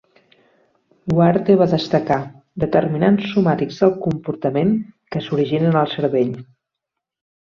Huarte va destacar "determinants somàtics del comportament" que s'originen al cervell.